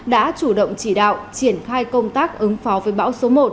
đã chủ động chỉ đạo triển khai công tác ứng phó với bão số một